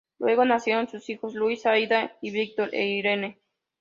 Luego nacieron sus hijos Luis, Aida, Víctor e Irene.